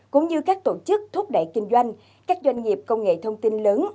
cũng như các tổ chức thúc đẩy kinh doanh các doanh nghiệp công nghệ thông tin lớn